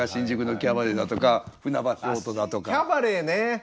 「キャバレー」ね